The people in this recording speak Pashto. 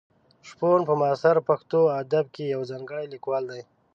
شپون په معاصر پښتو ادب کې یو ځانګړی لیکوال دی.